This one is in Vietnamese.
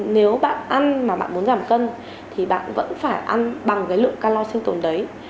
nếu bạn ăn mà bạn muốn giảm cân thì bạn vẫn phải ăn bằng cái lượng calor sinh tồn đấy